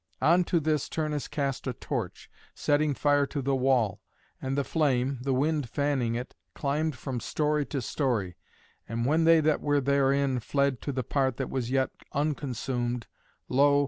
On to this Turnus cast a torch, setting fire to the wall, and the flame, the wind fanning it, climbed from story to story. And when they that were therein fled to the part that was yet unconsumed, lo!